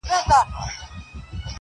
زه د ملي بیرغ په رپ ـ رپ کي اروا نڅوم.